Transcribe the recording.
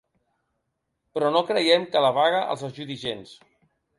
Però no creiem que la vaga els ajudi gens.